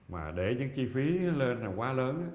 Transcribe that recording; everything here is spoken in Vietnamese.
mà để những chi phí lên là quá lớn